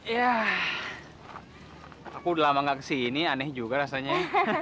ya aku udah lama gak kesini aneh juga rasanya